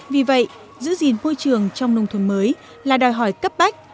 vì vậy giữ gìn môi trường trong nông thuần mới là đòi hỏi cấp bách